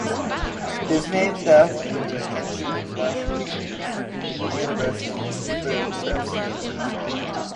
It is named after Benjamin Rush Rhees, the university's third president.